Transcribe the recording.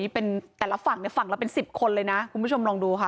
เป็นแต่ละฝั่งในฝั่งละเป็น๑๐คนเลยนะคุณผู้ชมลองดูค่ะ